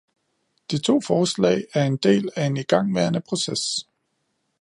De to forslag er en del af en igangværende proces.